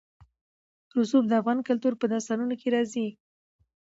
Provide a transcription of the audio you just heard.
رسوب د افغان کلتور په داستانونو کې راځي.